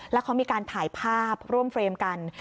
แล้วเขามีการถ่ายภาพร่วมเฟรมกัน